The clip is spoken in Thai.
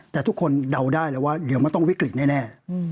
แต่ทุกคนเดาได้เลยว่าเดี๋ยวมันต้องวิกฤตแน่